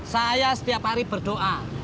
saya setiap hari berdoa